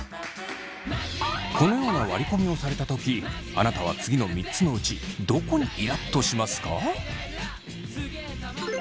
このような割り込みをされたときあなたは次の３つのうちどこにイラっとしますか？